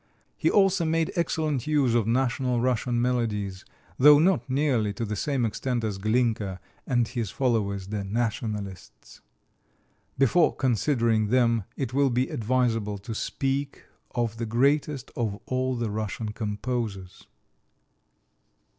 He also made excellent use of national Russian melodies, though not nearly to the same extent as Glinka and his followers, the "nationalists." Before considering them it will be advisable to speak of the greatest of all the Russian composers.